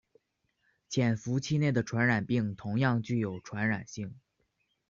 潜伏期内的传染病同样具有传染性。